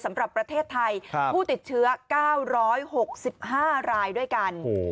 สำหรับประเทศไทยผู้ติดเชื้อ๙๖๕รายด้วยกัน